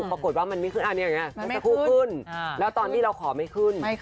ปรากฏว่ามันไม่ขึ้นแล้วตอนนี้เราขอไม่ขึ้น